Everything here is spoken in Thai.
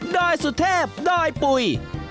อยสุเทพดอยปุ๋ย